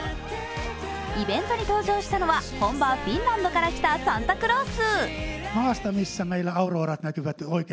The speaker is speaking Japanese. イベントに登場したのは本場フィンランドから来たサンタクロース。